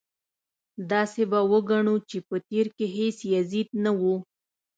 داسې به وګڼو چې په تېر کې هېڅ یزید نه و.